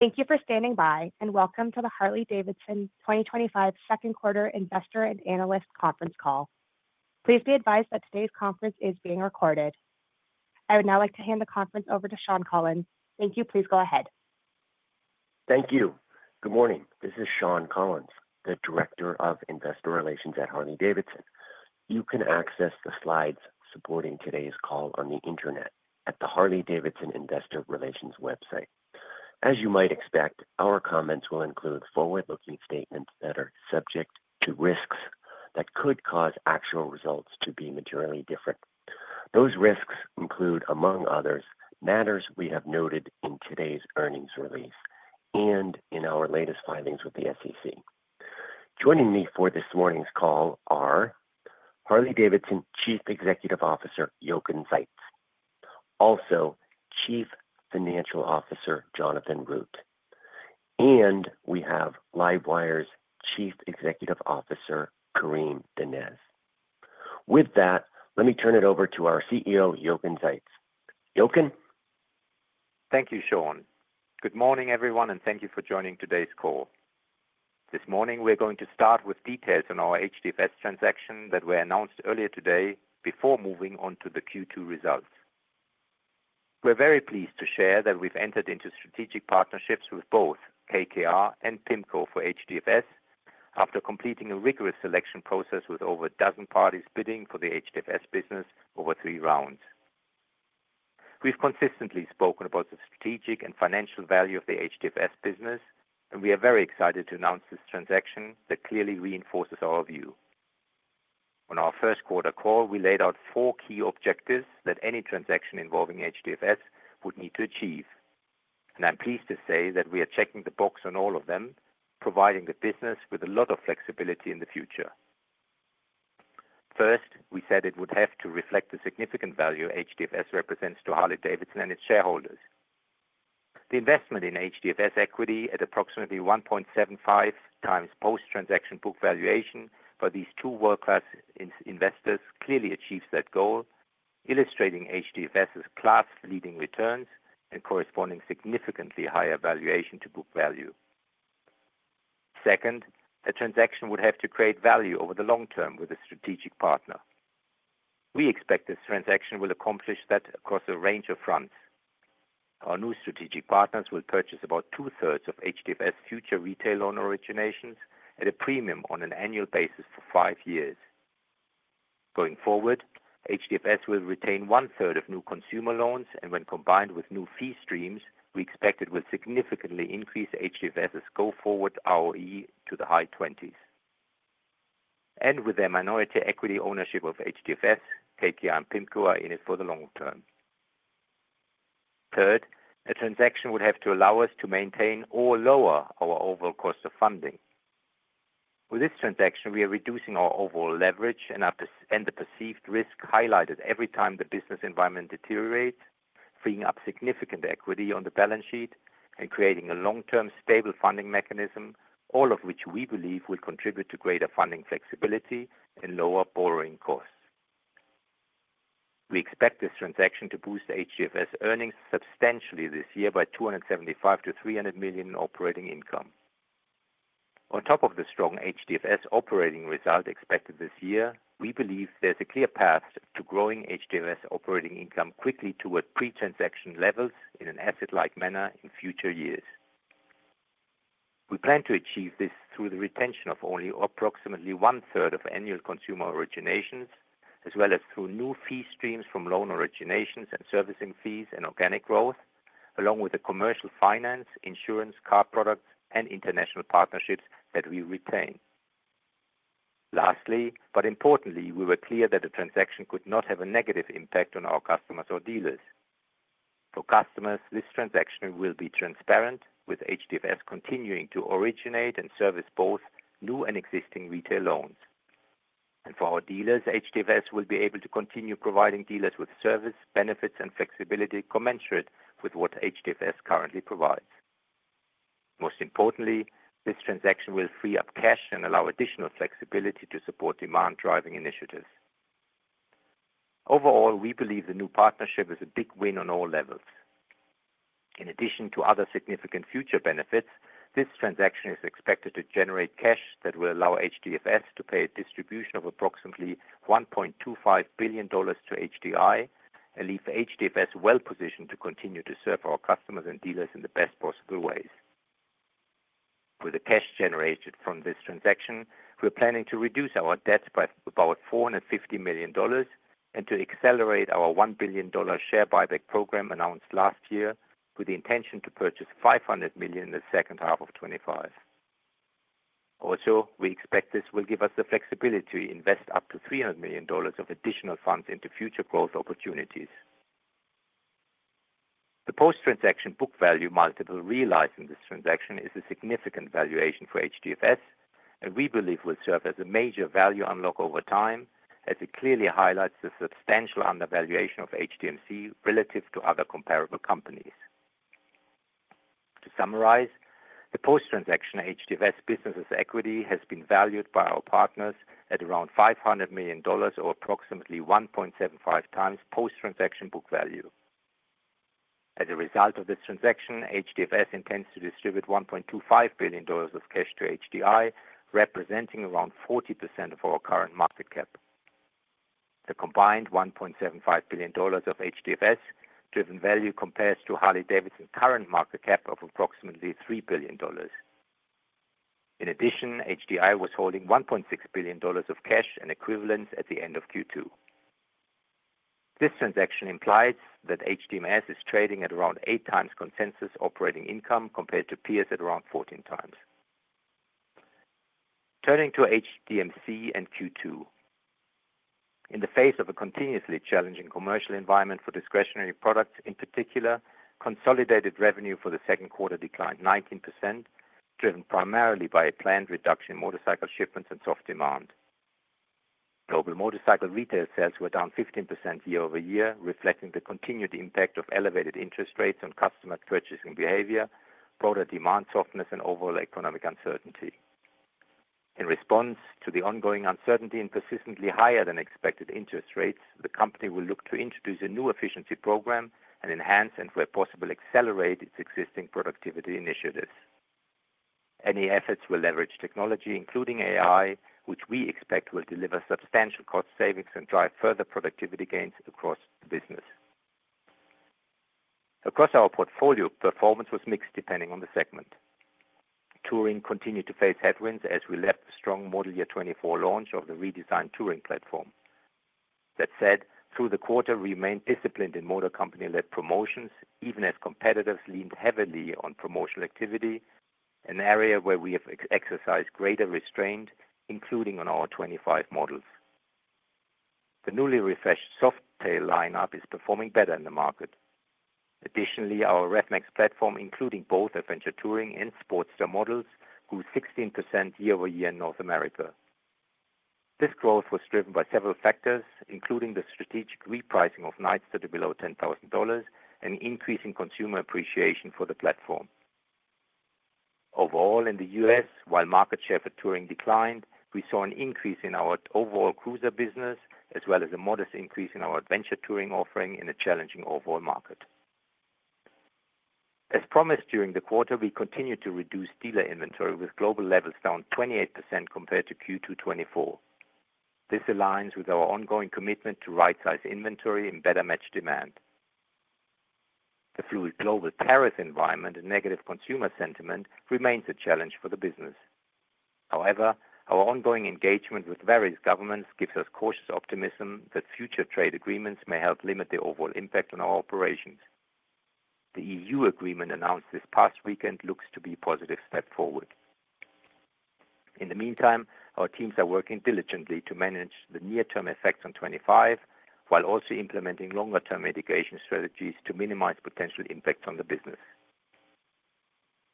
Thank you for standing by and welcome to the Harley-Davidson 2025 Second Quarter Investor and Analyst conference call. Please be advised that today's conference is being recorded. I would now like to hand the conference over to Shawn Collins. Thank you, please go ahead. Thank you. Good morning, this is Shawn Collins, the Director of Investor Relations at Harley-Davidson. You can access the slides supporting today's call on the Internet at the Harley-Davidson investor relations website. As you might expect, our comments will include forward-looking statements that are subject to risks that could cause actual results to be materially different. Those risks include, among others, matters we have noted in today's earnings release and in our latest filings with the SEC. Joining me for this morning's call are Harley-Davidson Chief Executive Officer Jochen Zeitz, also Chief Financial Officer Jonathan Root, and we have LiveWire Group Inc. Chief Executive Officer Karim Donnez. With that, let me turn it over to our CEO Jochen Zeitz. Jochen? Thank you, Shawn. Good morning everyone, and thank you for joining today's call. This morning we are going to start with details on our HDFS transaction that were announced earlier today before moving on to the Q2 results. We are very pleased to share that we have entered into strategic partnerships with both KKR and PIMCO for HDFS. After completing a rigorous selection process with over a dozen parties bidding for the HDFS business over three rounds, we've consistently spoken about the strategic and financial value of the HDFS business, and we are very excited to announce this transaction that clearly reinforces our view. On our first quarter call, we laid out four key objectives that any transaction involving HDFS would need to achieve, and I'm pleased to say that we are checking the box on all of them, providing the business with a lot of flexibility in the future. First, we said it would have to reflect the significant value HDFS represents to Harley-Davidson and its shareholders. The investment in HDFS equity at approximately 1.75 times post-transaction book valuation for these two world-class investors clearly achieves that goal, illustrating HDFS's class-leading returns and corresponding significantly higher valuation to book value. Second, a transaction would have to create value over the long term with a strategic partner. We expect this transaction will accomplish that across a range of fronts. Our new strategic partners will purchase about 2/3 of HDFS future retail loan originations at a premium on an annual basis for five years. Going forward, HDFS will retain 1/3 of new consumer loans, and when combined with new fee streams, we expect it will significantly increase HDFS go-forward ROE to the high 20s, and with their minority equity ownership of HDFS, KKR and PIMCO are in it for the long term. Third, a transaction would have to allow us to maintain or lower our overall cost of funding. With this transaction, we are reducing our overall leverage and the perceived risk highlighted every time the business environment deteriorates, freeing up significant equity on the balance sheet and creating a long-term stable funding mechanism, all of which we believe will contribute to greater funding flexibility and lower borrowing costs. We expect this transaction to boost HDFS earnings substantially this year by $275 million-$300 million in operating income on top of the strong HDFS operating result expected this year. We believe there's a clear path to growing HDFS operating income quickly toward pre-transaction levels in an asset-like manner in future years. We plan to achieve this through the retention of only approximately one third of annual consumer originations, as well as through new fee streams from loan originations and servicing fees, and organic growth along with the commercial finance, insurance, car products, and international partnerships that we retain. Lastly, but importantly, we were clear that the transaction could not have a negative impact on our customers or dealers. For customers, this transaction will be transparent, with HDFS continuing to originate and service both new and existing retail loans, and for our dealers, HDFS will be able to continue providing dealers with service benefits and flexibility commensurate with what HDFS currently provides. Most importantly, this transaction will free up cash and allow additional flexibility to support demand-driving initiatives. Overall, we believe the new partnership is a big win on all levels. In addition to other significant future benefits, this transaction is expected to generate cash that will allow HDFS to pay a distribution of approximately $1.25 billion to HDI and leave HDFS well positioned to continue to serve our customers and dealers in the best possible ways. With the cash generated from this transaction, we are planning to reduce our debt by about $450 million and to accelerate our $1 billion share buyback program announced last year, with the intention to purchase $500 million in the second half of 2025. Also, we expect this will give us the flexibility to invest up to $300 million of additional funds into future growth opportunities. The post-transaction book value multiple realized in this transaction is a significant valuation for HDFS and we believe will serve as a major value unlock over time, as it clearly highlights the substantial undervaluation of HDMC relative to other comparable companies. To summarize, the post-transaction HDFS business equity has been valued by our partners at around $500 million, or approximately 1.75 times post-transaction book value. As a result of this transaction, HDFS intends to distribute $1.25 billion of cash to HDI, representing around 40% of our current market cap. The combined $1.75 billion of HDFS-driven value compares to Harley-Davidson's current market cap of approximately $3 billion. In addition, HDI was holding $1.6 billion of cash and equivalents at the end of Q2. This transaction implies that HDMC is trading at around 8 times consensus operating income compared to peers at around 14 times. Turning to HDMC and Q2, in the face of a continuously challenging commercial environment for discretionary products in particular, consolidated revenue for the second quarter declined 19%, driven primarily by a planned reduction in motorcycle shipments and soft demand. Global motorcycle retail sales were down 15% year-over-year, reflecting the continued impact of elevated interest rates on customer purchasing behavior, broader demand softness, and overall economic uncertainty. In response to the ongoing uncertainty and persistently higher than expected interest rates, the company will look to introduce a new efficiency program and enhance and, where possible, accelerate its existing productivity initiatives. Any efforts will leverage technology, including AI-driven initiatives, which we expect will deliver substantial cost savings and drive further productivity gains across the business. Across our portfolio, performance was mixed depending on the segment. Touring continued to face headwinds as we left the strong model year 2024 launch of the redesigned Touring platform. That said, through the quarter we remained disciplined in motor company-led promotions even as competitors leaned heavily on promotional activity, an area where we have exercised greater restraint, including on our 2025 models. The newly refreshed Softail lineup is performing better in the market. Additionally, our RevMax platform, including both Adventure Touring and Sportster models, grew 16% year-over-year in North America. This growth was driven by several factors, including the strategic repricing of Nightster to below $10,000 and increasing consumer appreciation for the platform overall. In the U.S., while market share for Touring declined, we saw an increase in our overall cruiser business as well as a modest increase in our Adventure Touring offering in a challenging overall market. As promised during the quarter, we continued to reduce dealer inventory with global levels down 28% compared to Q2 2024. This aligns with our ongoing commitment to right size inventory and better match demand. A fluid global tariff environment and negative consumer sentiment remain a challenge for the business. However, our ongoing engagement with various governments gives us cautious optimism that future trade agreements may help limit the overall impact on our operations. The EU agreement announced this past weekend looks to be a positive step forward. In the meantime, our teams are working diligently to manage the near term effects on 2025 while also implementing longer term mitigation strategies to minimize potential impacts on the business.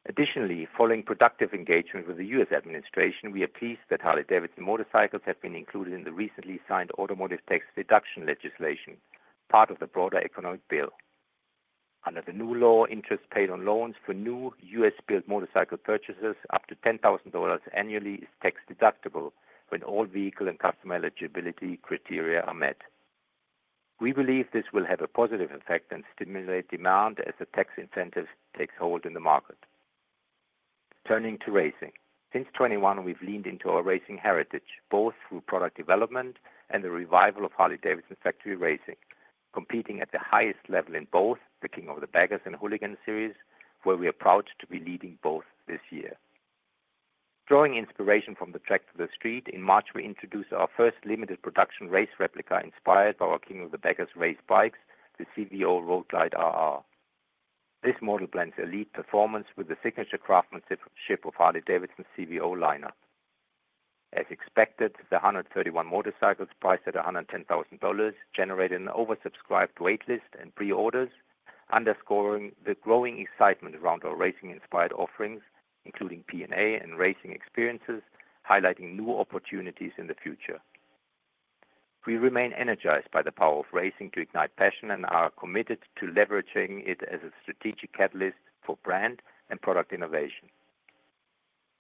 Additionally, following productive engagement with the U.S. Administration, we are pleased that Harley-Davidson motorcycles have been included in the recently signed automotive tax deduction legislation, part of the broader economic bill. Under the new law, interest paid on loans for new U.S. built motorcycle purchases up to $10,000 annually is tax deductible when all vehicle and customer eligibility criteria are met. We believe this will have a positive effect and stimulate demand as the tax incentive takes hold in the market. Turning to racing, since 2021 we've leaned into our racing heritage both through product development and the revival of Harley-Davidson Factory Racing, competing at the highest level in both the King of the Baggers and Hooligan series, where we are proud to be leading both this year. Drawing inspiration from the track to the street, in March we introduced our first limited production race replica inspired by our King of the Baggers race bikes, the CVO Road Glide RR. This model blends elite performance with the signature craftsmanship of Harley-Davidson's CVO lineup. As expected, the 131 motorcycles priced at $110,000 generated an oversubscribed wait list and pre-orders, underscoring the growing excitement around our racing inspired offerings including P&A and racing experiences highlighting new opportunities in the future. We remain energized by the power of racing to ignite passion and are committed to leveraging it as a strategic catalyst for brand and product innovation.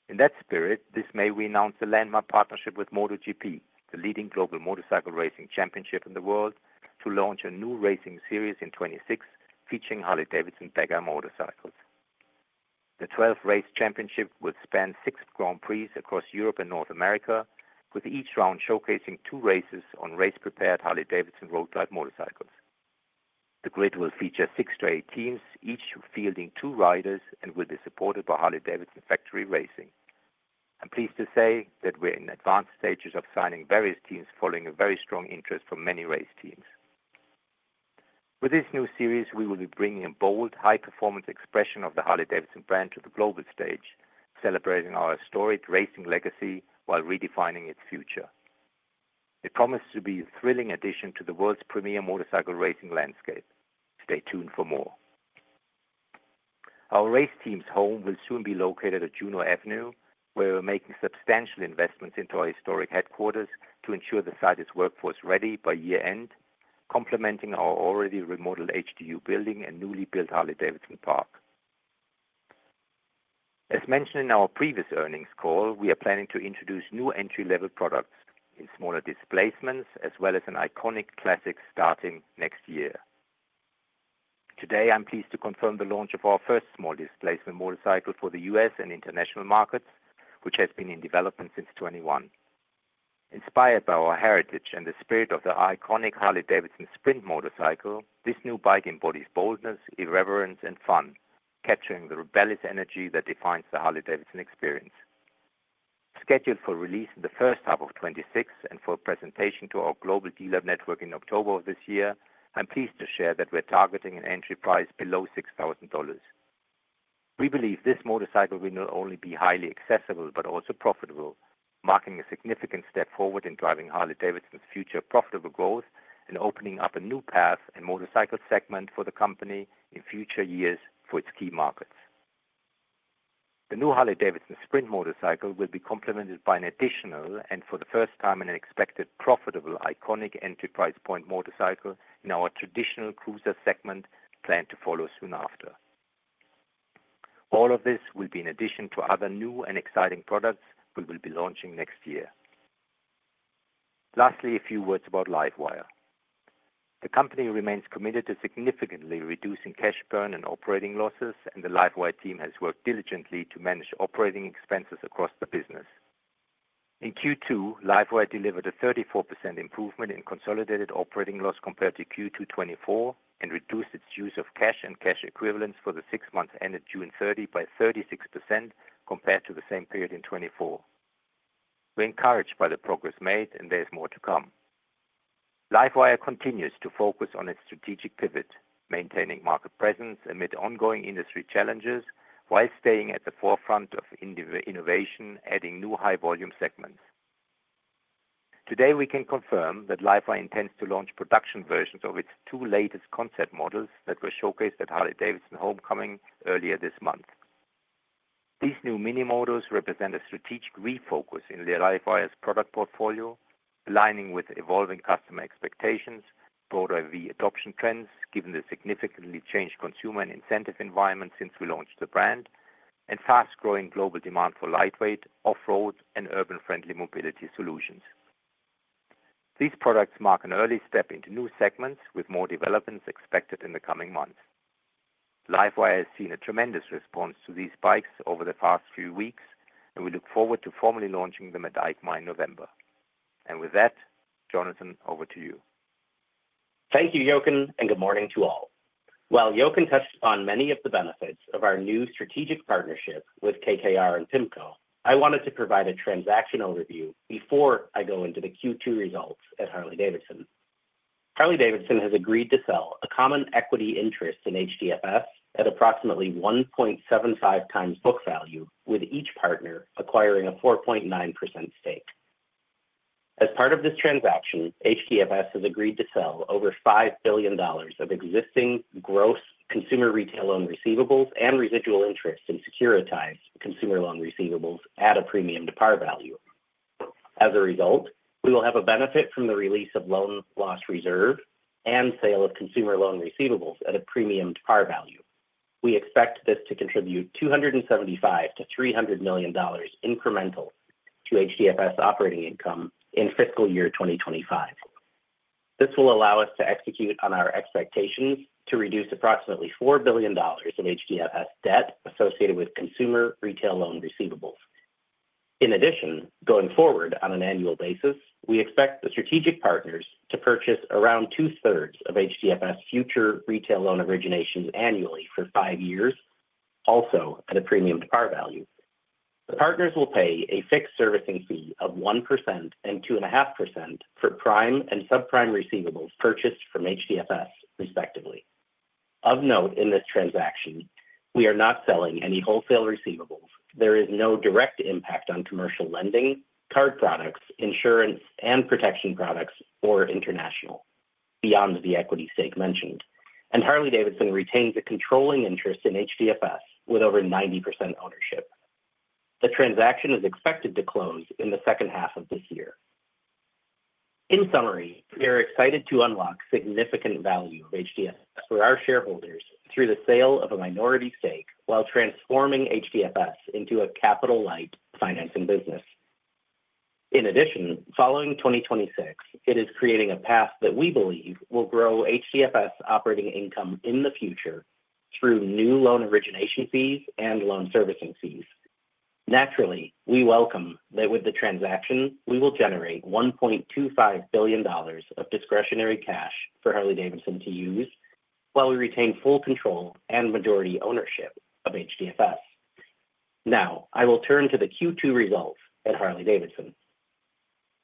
In that spirit, this May we announced a landmark partnership with MotoGP, the leading global motorcycle racing championship in the world, to launch a new racing series in 2026 featuring Harley-Davidson Road Glide motorcycles. The 12 race championship will span six Grand Prix across Europe and North America with each round showcasing two races on race prepared Harley-Davidson Road Glide motorcycles. The grid will feature 6-8 teams, each fielding two riders and will be supported by Harley-Davidson Factory Racing. I'm pleased to say that we're in advanced stages of signing various teams following a very strong interest from many race teams. With this new series, we will be bringing a bold, high performance expression of the Harley-Davidson brand to the global stage, celebrating our historic racing legacy while redefining its future. It promises to be a thrilling addition to the world's premier motorcycle racing landscape. Stay tuned for more. Our race team's home will soon be located at Juneau Avenue where we're making substantial investments into our historic headquarters to ensure the site is workforce ready by year end, complementing our already remodeled HDU building and newly built Harley-Davidson Park. As mentioned in our previous earnings call, we are planning to introduce new entry level products in smaller displacements as well as an iconic classic starting next year. Today I'm pleased to confirm the launch of our first small displacement motorcycle for the U.S. and international markets which has been in development since 2021. Inspired by our heritage and the spirit of the iconic Harley-Davidson Sprint motorcycle, this new bike embodies boldness, irreverence and fun, capturing the rebellious energy that defines the Harley-Davidson experience. Scheduled for release in the first half of 2026 and for presentation to our Global Dealer Network in October of this year, I'm pleased to share that we're targeting an entry price below $6,000. We believe this motorcycle will not only be highly accessible but also profitable, marking a significant step forward in driving Harley-Davidson's future profitable growth and opening up a new path and motorcycle segment for the company in future years for its key markets. The new Harley-Davidson Sprint motorcycle will be complemented by an additional and for the first time an expected profitable iconic entry price point motorcycle in our traditional cruiser segment planned to follow soon after. All of this will be in addition to other new and exciting products we will be launching next year. Lastly, a few words about LiveWire. The company remains committed to significantly reducing cash burn and operating losses and the LiveWire team has worked diligently to manage operations and operating expenses across the business. In Q2, LiveWire delivered a 34% improvement in consolidated operating loss compared to Q2 2024 and reduced its use of cash and cash equivalents for the six months ended June 30th by 36% compared to the same period in 2024. We're encouraged by the progress made and there's more to come. LiveWire continues to focus on its strategic pivot, maintaining market presence amid ongoing industry challenges while staying at the forefront of innovation, adding new volume segments. Today we can confirm that LiveWire intends to launch production versions of its two latest concept models that were showcased at Harley-Davidson Homecoming earlier this month. These new mini models represent a strategic refocus in LiveWire's product portfolio, aligning with evolving customer expectations and broader EV adoption trends given the significantly changed consumer and incentive environment since we launched the brand and fast-growing global demand for lightweight off-road and urban-friendly mobility solutions. These products mark an early step into new segments, with more developments expected in the coming months. LiveWire has seen a tremendous response to these spikes over the past few weeks, and we look forward to formally launching them at EICMA in November. With that, Jonathan, over to you. Thank you, Jochen, and good morning to all. While Jochen touched upon many of the benefits of our new strategic partnership with KKR and PIMCO. I wanted to provide a transaction overview before I go into the Q2 results at Harley-Davidson. Harley-Davidson has agreed to sell a common equity interest in HDFS at approximately 1.75 times book value, with each partner acquiring a 4.9% stake. As part of this transaction, HDFS has agreed to sell over $5 billion of existing gross consumer retail loan receivables and residual interest in securitized consumer loan receivables at a premium to par value. As a result, we will have a benefit from the release of loan loss reserve and sale of consumer loan receivables at a premium to par value. We expect this to contribute $275 million-$300 million incremental to HDFS operating income in fiscal year 2025. This will allow us to execute on our expectations to reduce approximately $4 billion in HDFS debt associated with consumer retail loan receivables. In addition, going forward on an annual basis, we expect the strategic partners to purchase around 2/3 of HDFS future retail loan originations annually for five years, also at a premium to par value. The partners will pay a fixed servicing fee of 1% and 2.5% for prime and subprime receivables purchased from HDFS respectively. Of note, in this transaction we are not selling any wholesale receivables. There is no direct impact on commercial lending card products, insurance and protection products or international beyond the equity stake mentioned, and Harley-Davidson retains a controlling interest in HDFS with over 90% ownership. The transaction is expected to close in the second half of this year. In summary, we are excited to unlock significant value of HDFS for our shareholders through the sale of a minority stake while transforming HDFS into a capital light financing business. In addition, following 2026 it is creating a path that we believe will grow HDFS operating income in the future through new loan origination fees and loan servicing fees. Naturally, we welcome that. With the transaction we will generate $1.25 billion of discretionary cash for Harley-Davidson to use while we retain full control and majority ownership of HDFS. Now I will turn to the Q2 results at Harley-Davidson.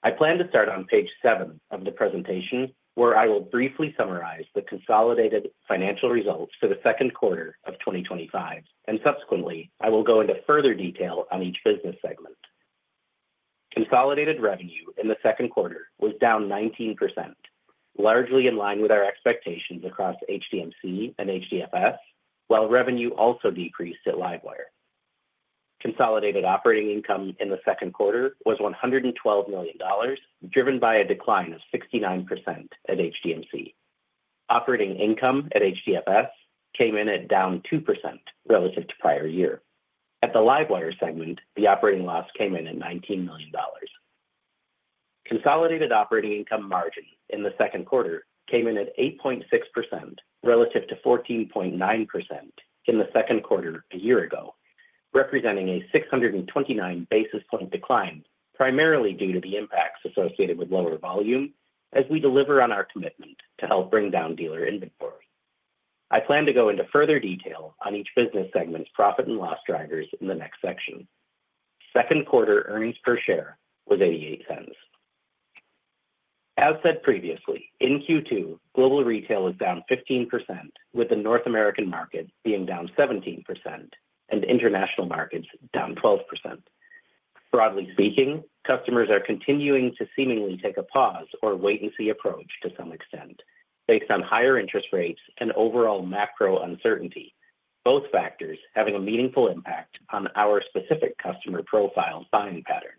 I plan to start on page seven of the presentation where I will briefly summarize the consolidated financial results for the second quarter of 2025 and subsequently I will go into further detail on each business segment. Consolidated revenue in the second quarter was down 19%, largely in line with our expectations across HDMC and HDFS, while revenue also decreased at LiveWire. Consolidated operating income in the second quarter was $112 million, driven by a decline of 69% at HDMC. Operating income at HDFS came in at down 2% relative to prior year. At the LiveWire segment, the operating loss came in at $19 million. Consolidated operating income margin in the second quarter came in at 8.6% relative to 14.9% in the second quarter a year ago, representing a 629 basis point decline, primarily due to the impacts associated with lower volume. As we deliver on our commitment to help bring down dealer inventory, I plan to go into further detail on each business segment's profit and loss drivers in the next section. Second quarter earnings per share was $0.88. As said previously in Q2, global retail was down 15% with the North American market being down 17% and international markets down 12%. Broadly speaking, customers are continuing to seemingly take a pause or wait and see approach to some extent based on higher interest rates and overall macro uncertainty, both factors having a meaningful impact on our specific customer profile buying patterns.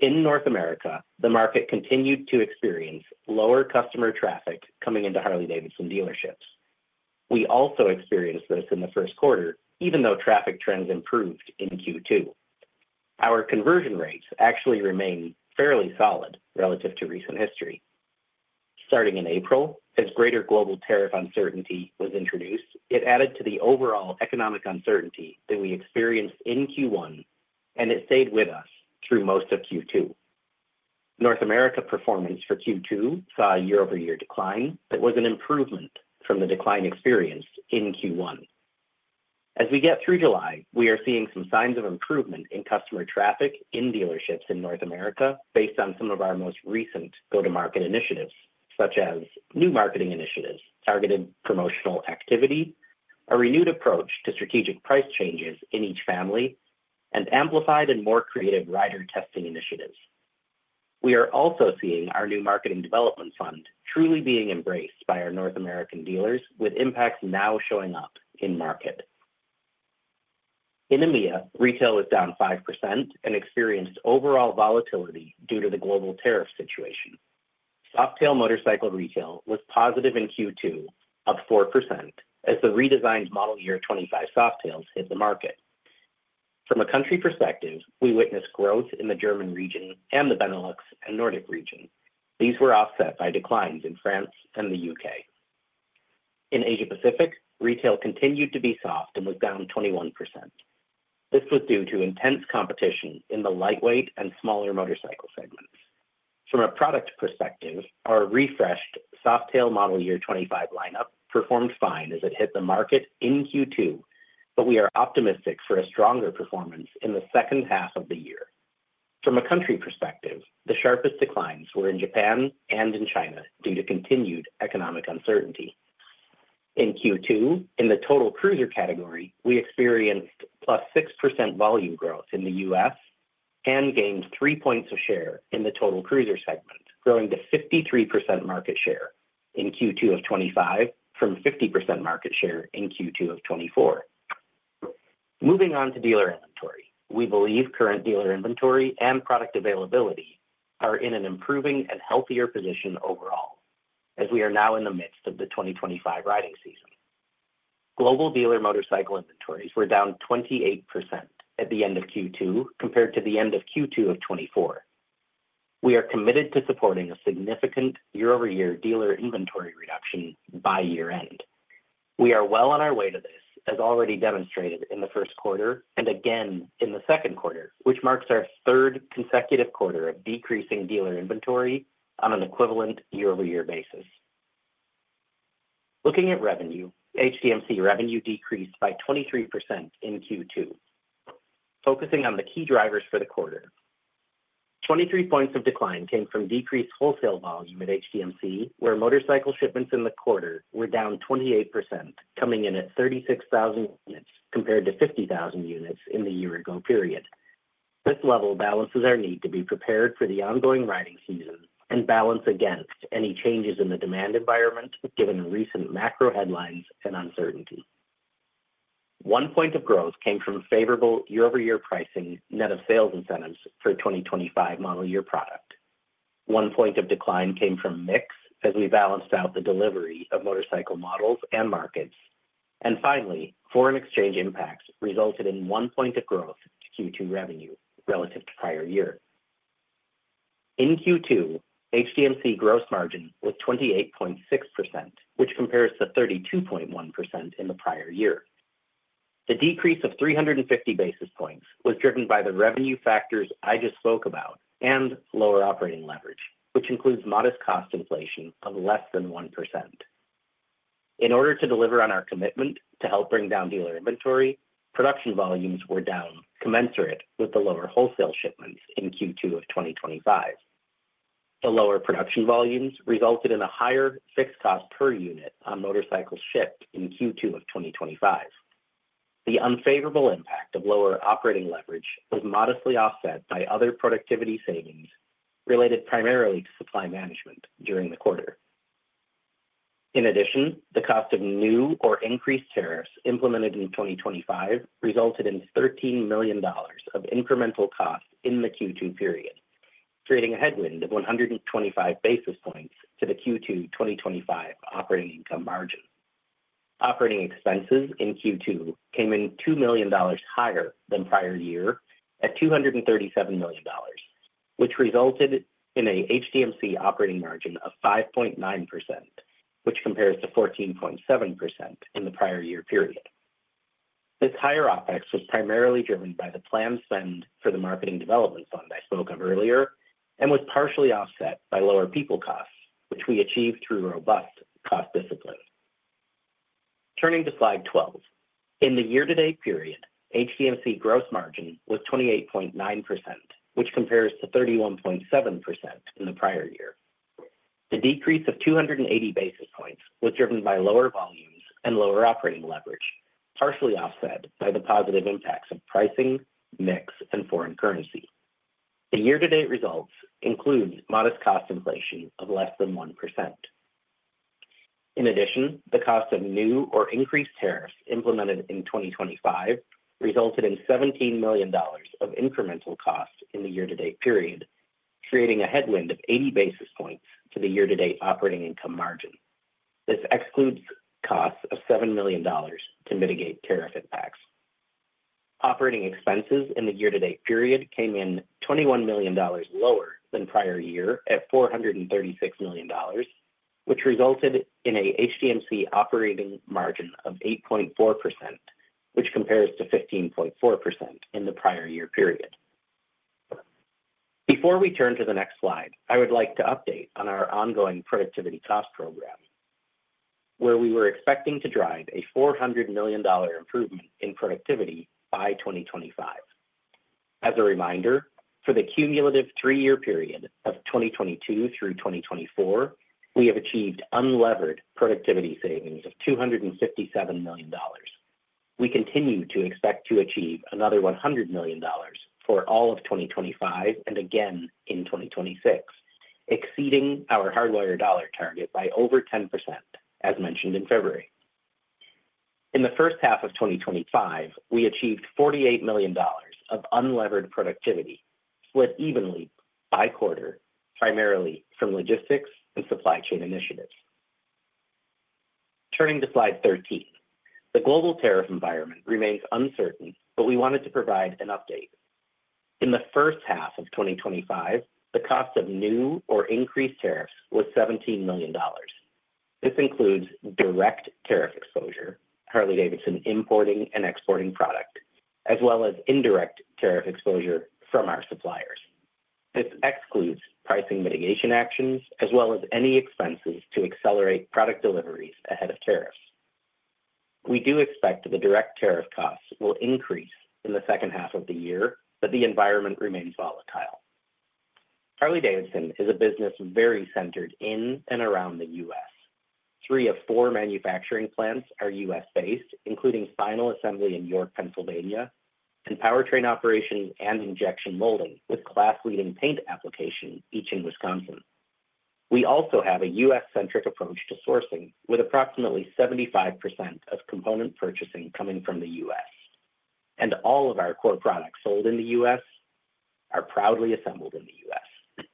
In North America, the market continued to experience lower customer traffic coming into Harley-Davidson dealerships. We also experienced this in the first quarter. Even though traffic trends improved in Q2, our conversion rates actually remain fairly solid relative to recent history. Starting in April, as greater global tariff uncertainty was introduced, it added to the overall economic uncertainty that we experienced in Q1 and it stayed with us through most of Q2. North America performance for Q2 saw a year-over-year decline but was an improvement from the decline experienced in Q1. As we get through July, we are seeing some signs of improvement in customer traffic in dealerships in North America based on some of our most recent go to market initiatives such as new marketing initiatives, targeted promotional activity, a renewed approach to strategic price changes in each family, and amplified and more creative rider testing initiatives. We are also seeing our new marketing development fund truly being embraced by our North American dealers with impacts now showing up in market. In EMEA, retail was down 5% and experienced overall volatility due to the global tariff situation. Cocktail motorcycle retail was positive in Q2, up 4% as the redesigned model year 2025 Softail lineup hit the market. From a country perspective, we witnessed growth in the German region and the Benelux and Nordic region. These were offset by declines in France and the U.K. In Asia Pacific, retail continued to be soft and was down 21%. This was due to intense competition in the lightweight and smaller motorcycle segments. From a product perspective, our refreshed Softail model year 2025 lineup performed fine as it hit the market in Q2, but we are optimistic for a stronger performance in the second half of the year. From a country perspective, the sharpest declines were in Japan and in China due to continued economic uncertainty in Q2. In the total cruiser category, we experienced a 6% volume growth in the U.S. and gained 3 points of share in the total cruiser segment, growing to 53% market share in Q2 2025 from 50% market share in Q2 2024. Moving on to dealer inventory, we believe current dealer inventory and product availability are in an improving and healthier position overall as we are now in the midst of the 2025 riding season. Global dealer motorcycle inventories were down 28% at the end of Q2 compared to the end of Q2 2024. We are committed to supporting a significant year-over-year dealer inventory reduction by year end. We are well on our way to this as already demonstrated in the first quarter and again in the second quarter, which marks our third consecutive quarter of decreasing dealer inventory on an equivalent year-over-year basis. Looking at revenue, HDMC revenue decreased by 23% in Q2. Focusing on the key drivers for the quarter, 23 points of decline came from decreased wholesale volume at HDMC where motorcycle shipments in the quarter were down 28%, coming in at 36,000 units compared to 50,000 units in the year ago period. This level balances our need to be prepared for the ongoing riding season and balance against any changes in the demand environment given recent macro headlines and uncertainty. 1 point of growth came from favorable year-over-year pricing net of sales incentives for 2025 model year product. One point of decline came from mix as we balanced out the delivery of motorcycle models and markets. Finally, foreign exchange impacts resulted in 1 point of growth. Q2 revenue relative to prior year in Q2, HDMC gross margin was 28.6%, which compares to 32.1% in the prior year. The decrease of 350 basis points was driven by the revenue factors I just spoke about and lower operating leverage, which includes modest cost inflation of less than 1% in order to deliver on our commitment to help bring down dealer inventory. Production volumes were down commensurate with the lower wholesale shipments in Q2 of 2025. The lower production volumes resulted in a higher fixed cost per unit on motorcycles shipped in Q2 of 2025. The unfavorable impact of lower operating leverage was modestly offset by other productivity savings related primarily to supply management during the quarter. In addition, the cost of new or increased tariffs implemented in 2025 resulted in $13 million of incremental costs in the Q2 period, creating a headwind of 125 basis points to the Q2 2025 operating income margin. Operating expenses in Q2 came in $2 million higher than prior year at $237 million, which resulted in a HDMC operating margin of 5.9%, which compares to 14.7% in the prior year period. This higher OpEx was primarily driven by the planned spend for the Marketing Development Fund I spoke of earlier and was partially offset by lower people costs, which we achieved through robust cost discipline. Turning to slide 12, in the year-to-date period, HDMC gross margin was 28.9%, which compares to 31.7% in the prior year. The decrease of 280 basis points was driven by lower volumes and lower operating leverage, partially offset by the positive impacts of pricing mix and foreign currency. The year-to-date results include modest cost inflation of less than 1%. In addition, the cost of new or increased tariffs implemented in 2025 resulted in $17 million of incremental cost in the year-to-date period, creating a headwind of 80 basis points to the year-to-date operating income margin. This excludes costs of $7 million to mitigate tariff impacts. Operating expenses in the year-to-date period came in $21 million lower than prior year at $436 million, which resulted in a HDMC operating margin of 8.4%, which compares to 15.4% in the prior year period. Before we turn to the next slide. I would like to update on our ongoing productivity cost program where we were expecting to drive a $400 million improvement in productivity by 2025. As a reminder, for the cumulative three-year period of 2022 through 2024, we have achieved unlevered productivity savings of $257 million. We continue to expect to achieve another $100 million for all of 2025 and again in 2026, exceeding our hardwire dollar target by over 10%. As mentioned in February, in the first half of 2025 we achieved $48 million of unlevered productivity, split evenly by quarter, primarily from logistics and supply chain initiatives. Turning to slide 13, the global tariff environment remains uncertain, but we wanted to provide an update. In the first half of 2025, the cost of new or increased tariffs was $17 million. This includes direct tariff exposure, Harley-Davidson importing and exporting product, as well as indirect tariff exposure from our suppliers. This excludes pricing mitigation actions as well as any expenses to accelerate product deliveries ahead of tariffs. We do expect that the direct tariff costs will increase in the second half of the year, but the environment remains volatile. Harley-Davidson is a business very centered in and around the U.S. Three of four manufacturing plants are U.S.-based, including final assembly in York, Pennsylvania, and powertrain operation and injection molding with class-leading paint applications each in Wisconsin. We also have a U.S.-centric approach to sourcing with approximately 75% of component purchasing coming from the U.S., and all of our core products sold in the U.S. are proudly assembled in the U.S.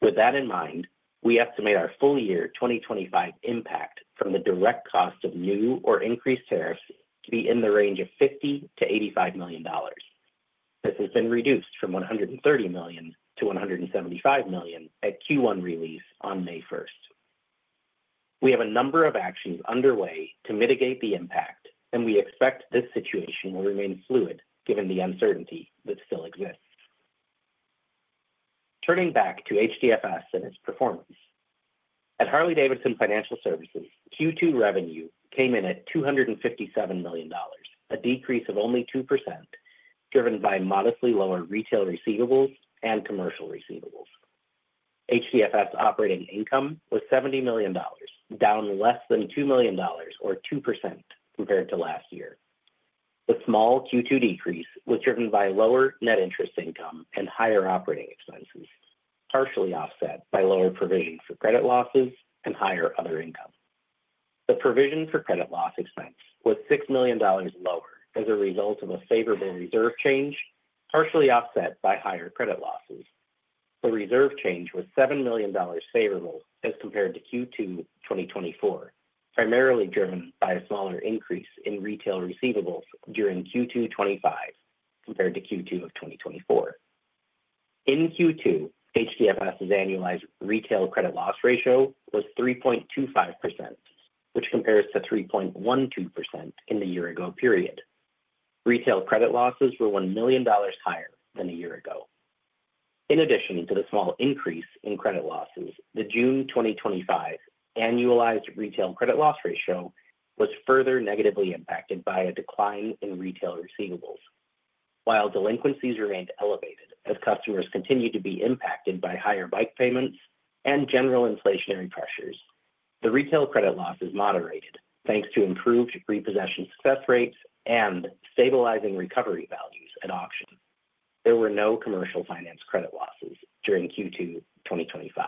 With that in mind, we estimate our full-year 2025 impact from the direct cost of new or increased tariffs to be in the range of $50 million-$85 million. This has been reduced from $130 million-$175 million at Q1 release on May 1st. We have a number of actions underway to mitigate the impact, and we expect this situation will remain fluid given the uncertainty that still exists. Turning back to Harley-Davidson Financial Services, Q2 revenue came in at $257 million, a decrease of only 2%, driven by modestly lower retail receivables and commercial receivables. HDFS's operating income was $70 million, down less than $2 million or 2% compared to last year. The small Q2 decrease was driven by lower net interest income and higher operating expenses, partially offset by lower provisions of credit losses and higher other income. The provision for credit loss expense was $6 million lower as a result of a favorable reserve change, partially offset by higher credit losses. The reserve change was $7 million favorable as compared to Q2 2024, primarily driven by a smaller increase in retail receivables during Q2 2025 compared to Q2 of 2024. In Q2, HDFS annualized retail credit loss ratio was 3.25%, which compares to 3.12% in the year ago period. Retail credit losses were $1 million higher than a year ago. In addition to the small increase in credit losses, the June 2025 annualized retail credit loss ratio was further negatively impacted by a decline in retail receivables while delinquencies remained elevated as customers continued to be impacted by higher bike payments and general inflationary pressures. The retail credit losses moderated thanks to improved repossession success rates and stabilizing recovery values at auction. There were no commercial finance credit losses during Q2 2025.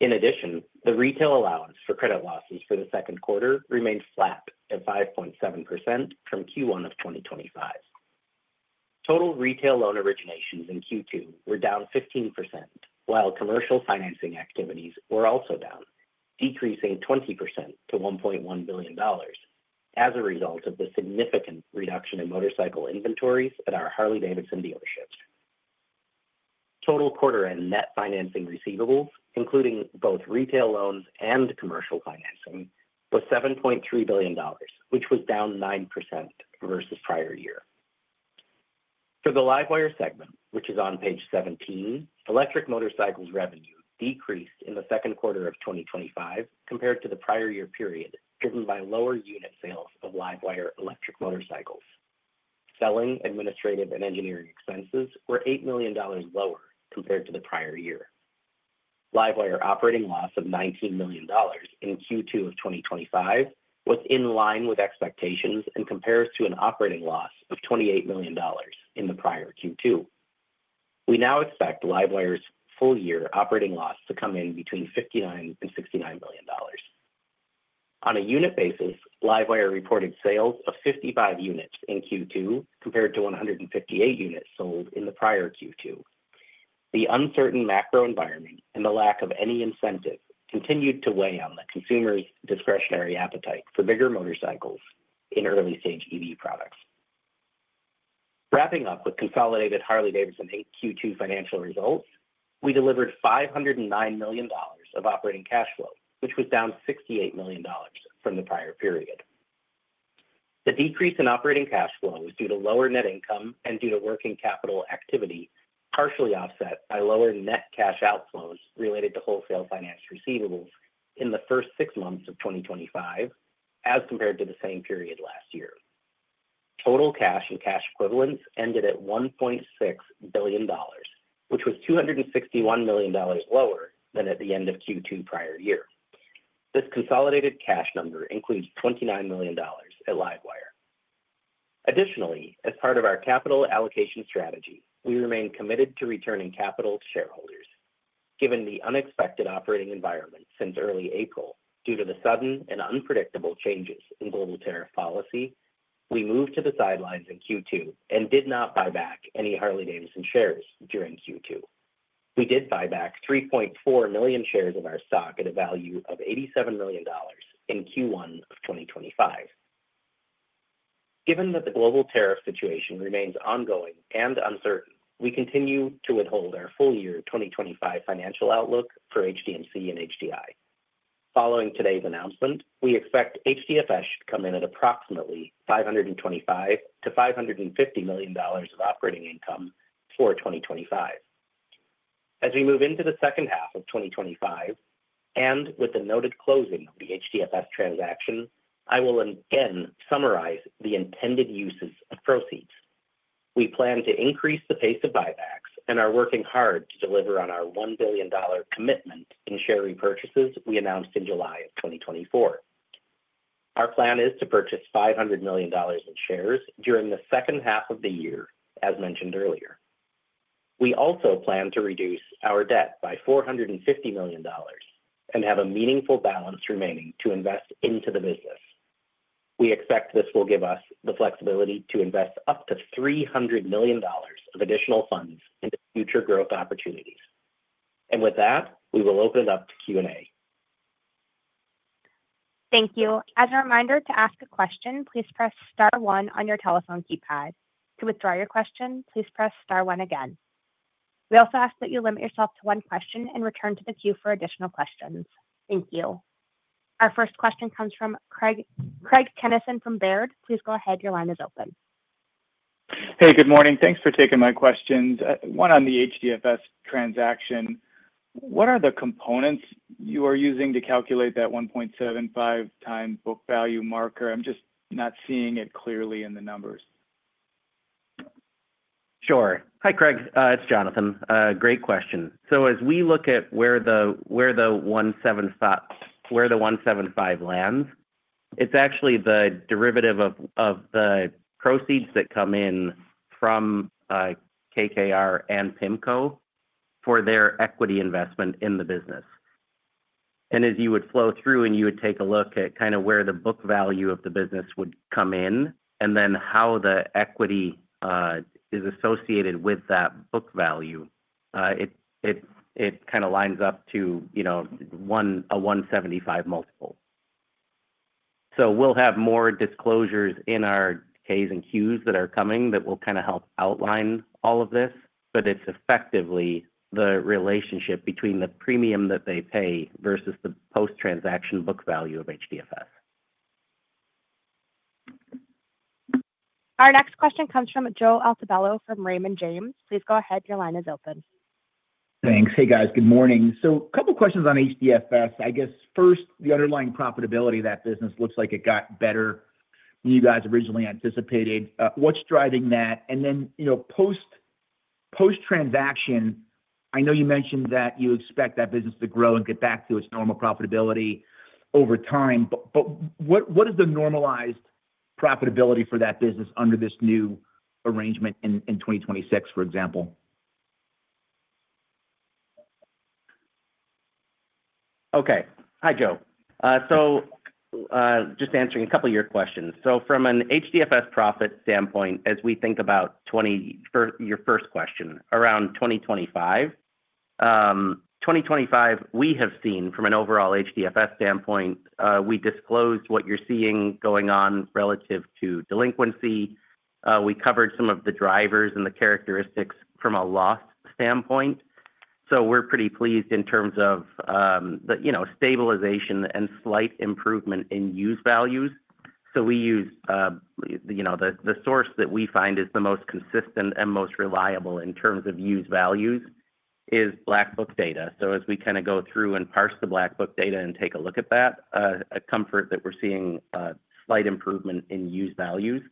In addition, the retail allowance for credit losses for the second quarter remained flat at 5.7% from Q1 of 2025. Total retail loan originations in Q2 were down 15% while commercial financing activities were also down, decreasing 20% to $1.1 billion. As a result of the significant reduction in motorcycle inventories at our Harley-Davidson dealerships, total quarter end net financing receivable, including both retail loans and commercial financing, was $7.3 billion, which was down 9% versus prior year. For the LiveWire segment, which is on page 17, electric motorcycles revenue decreased in the second quarter of 2025 compared to the prior year period, driven by lower unit sales of LiveWire. Electric motorcycles selling, administrative, and engineering expenses were $8 million lower compared to the prior year. LiveWire operating loss of $19 million in Q2 of 2025 was in line with expectations and compares to an operating loss of $28 million in the prior Q2. We now expect LiveWire's full year operating loss to come in between $59 million and $69 million. On a unit basis, LiveWire reported sales of 55 units in Q2 compared to 158 units sold in the prior Q2. The uncertain macro environment and the lack of any incentive continued to weigh on the consumer's discretionary appetite for bigger motorcycles and early stage EV products. Wrapping up with consolidated Harley-Davidson Q2 financial results, we delivered $509 million of operating cash flow, which was down $68 million from the prior period. The decrease in operating cash flow was due to lower net income and due to working capital activity, partially offset by lower net cash outflows related to wholesale finance receivables in the first six months of 2025 as compared to the same period last year. Total cash and cash equivalents ended at $1.6 billion, which was $261 million lower than at the end of Q2 prior year. This consolidated cash number includes $29 million at LiveWire. Additionally, as part of our capital allocation strategy, we remain committed to returning capital to shareholders given the unexpected operating environment since early April. Due to the sudden and unpredictable changes in global tariff policy, we moved to the sidelines in Q2 and did not buy back any Harley-Davidson shares during Q2. We did buy back 3.4 million shares of our stock at a value of $87 million in Q1 of 2025. Given that the global tariff situation remains ongoing and uncertain, we continue to withhold our full year 2025 financial outlook for HDMC and HDI. Following today's announcement, we expect HDFS should come in at approximately $525 million-$550 million of operating income for 2025. As we move into the second half of 2025, and with the noted closing of the HDFS transaction, I will again summarize the intended uses of proceeds. We plan to increase the pace of buybacks and are working hard to deliver on our $1 billion commitment in share repurchases we announced in July of 2024. Our plan is to purchase $500 million in shares during the second half of the year. As mentioned earlier, we also plan to reduce our debt by $450 million and have a meaningful balance remaining to invest into the business. We expect this will give us the flexibility to invest up to $300 million of additional funds into future growth opportunities. And with that, we will open it up to Q&A. Thank you. As a reminder to ask a question, please press star one on your telephone keypad. To withdraw your question, please press star one again. We also ask that you limit yourself to one question and return to the queue for additional questions. Thank you. Our first question comes from Craig Kennison from Baird. Please go ahead. Your line is open. Hey, good morning. Thanks for taking my questions. One on the HDFS transaction, what are the components you are using to calculate that 1.75 times book value marker? I'm just not seeing it clearly in the numbers. Sure. Hi Craig, it's Jonathan. Great question. As we look at where the 175 lands, it's actually the derivative of the proceeds that come in from KKR and PIMCO for their equity investment in the business. If you would flow through and take a look at kind of where the book value of the business would come in and then how the equity is associated with that book value, it kind of lines up to, you know, a 1.75 multiple. We will have more disclosures in our K's and Q's that are coming that will help outline all of this. It's effectively the relationship between the premium that they pay versus the post-transaction book value of HDFS. Our next question comes from Joe Altobello from Raymond James. Please go ahead. Your line is open. Thanks. Hey guys, good morning. A couple of questions on HDFS. First, the underlying profitability of that business looks like it got better. You guys originally anticipated what's driving that. You mentioned that you expect that business to grow and get back to its normal profitability over time. What is the normalized profitability for that business under this new arrangement in 2026, for example? Okay. Hi, Joe. Just answering a couple of your questions. From an HDFS profit standpoint, as we think about 2025, we have seen from an overall HDFS standpoint, we disclosed what you're seeing going on relative to delinquency. We covered some of the drivers and the characteristics from a loss standpoint. We're pretty pleased in terms of stabilization and slight improvement in use values. We use the source that we find is the most consistent and most reliable in terms of use values, which is Black Book data. As we go through and parse the Black Book data and take a look at that, a comfort that we're seeing a slight improvement in use values.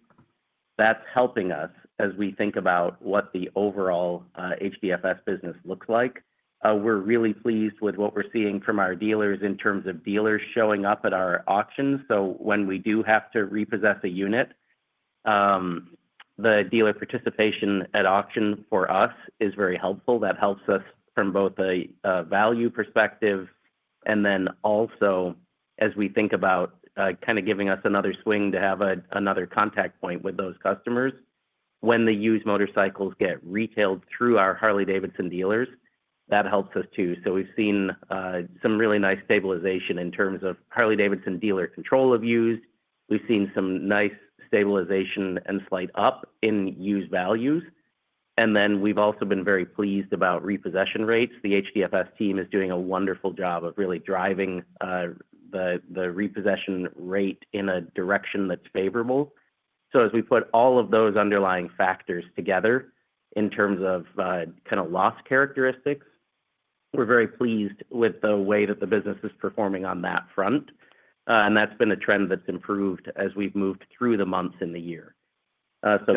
That's helping us as we think about what the overall HDFS business looks like. We're really pleased with what we're seeing from our dealers in terms of dealers showing up at our auctions. So, when we do have to repossess a unit, the dealer participation at auction. For us, it's very helpful. That helps us from both a value perspective and also as we think about kind of giving us another swing to have another contact point with those customers. When the used motorcycles get retailed through our Harley-Davidson dealers, that helps us too. We've seen some really nice stabilization in terms of Harley-Davidson dealer control of used. We've seen some nice stabilization and slight up in used values. We've also been very pleased about repossession rates. The Harley-Davidson Financial Services team is doing a wonderful job of really driving the repossession rate in a direction that's favorable. As we put all of those underlying factors together in terms of kind of loss characteristics, we're very pleased with the way that the business is performing on that front has been a trend that's improved as we've moved through the months in the year.